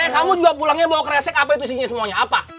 kamu juga pulangnya bawa kresek apa itu isinya semuanya apa